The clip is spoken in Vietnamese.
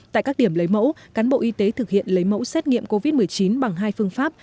tại các điểm lấy mẫu cán bộ y tế thực hiện lấy mẫu xét nghiệm covid một mươi chín bằng hai phương pháp